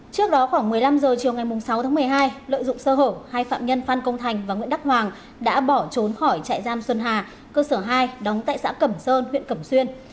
trước đó khoảng một mươi năm h chiều ngày sáu tháng một mươi hai lợi dụng sơ hở hai phạm nhân phan công thành và nguyễn đắc hoàng đã bỏ trốn khỏi trại giam xuân hà cơ sở hai đóng tại xã cẩm sơn huyện cẩm xuyên